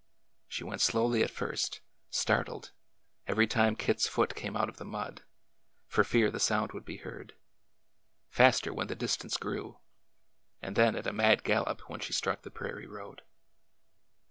She went slowly at first, startled, every time Kit's foot came out of the mud, for fear the sound would be heard ; faster when the distance grew; and then at a mad gallop when she struck the prairie road.